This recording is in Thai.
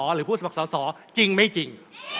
หรือผู้สมัครสอสอจริงไม่จริง